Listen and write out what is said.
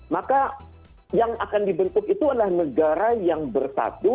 maka yang akan dibentuk itu adalah negara yang bersatu